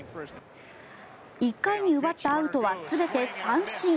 １回に奪ったアウトは全て三振。